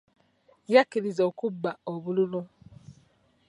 Yakkiriza okubba obululu.